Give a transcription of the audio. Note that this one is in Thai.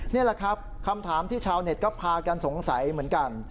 นี่แหละครับคำถามที่ชาวเน็ตก็พากันสงสัยเหมือนกัน